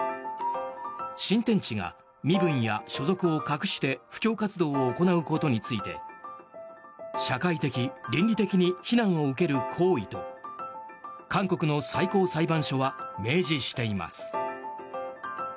新天地が身分や所属を隠して布教活動を行うことについて社会的・倫理的に非難を受ける行為と韓国の最高裁判所は明示しています。